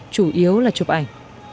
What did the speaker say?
chủ yếu là chụp ảnh